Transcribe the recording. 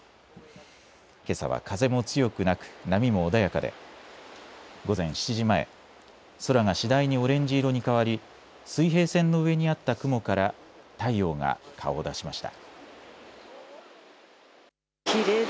けさは風も強くなく波も穏やかで午前７時前、空が次第にオレンジ色に変わり水平線の上にあった雲から太陽が顔を出しました。